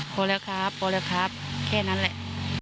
โปรดครับโปรดครับโปรดครับแค่นั้นแหละ